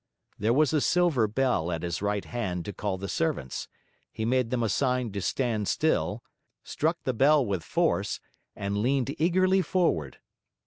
There was a silver bell at his right hand to call the servants; he made them a sign to stand still, struck the bell with force, and leaned eagerly forward.